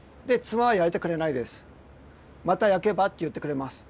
「また焼けば」って言ってくれます。